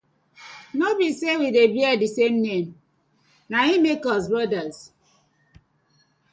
No bi say we dey bear di same na im make us brothers.